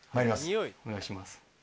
お願いします。